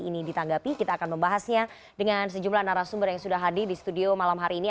ini ditanggapi kita akan membahasnya dengan sejumlah narasumber yang sudah hadir di studio malam hari ini